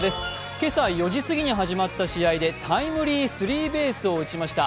今朝４時過ぎに始まった試合でタイムリースリーベースを打ちました。